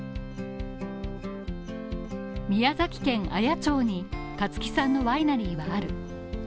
町に香月さんのワイナリーはある。